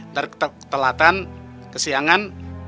ntar ketelatan kesiangan